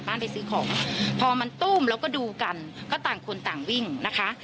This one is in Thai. ไปซื้อของพอมันตู้มแล้วก็ดูกันก็ต่างคนต่างวิ่งนะคะ